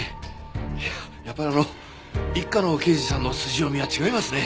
いややっぱりあの一課の刑事さんの筋読みは違いますね。